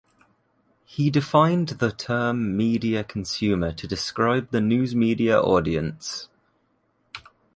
He defined the term media consumer to describe the news media audience.